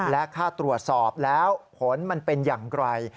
และถ้าตรวจสอบแล้วผลมันเป็นอย่างไร